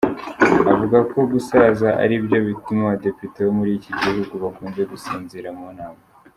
Avuga ko gusaza aribyo bituma Abadepite bo muri iki gihugu bakunze gusinzira mu nama.